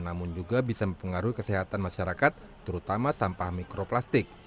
namun juga bisa mempengaruhi kesehatan masyarakat terutama sampah mikroplastik